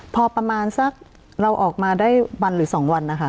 พอประมาณสักเราออกมาได้วันหรือ๒วันนะคะ